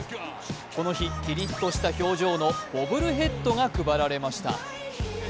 この日、キリッとした表情のボブルヘッドが配られました。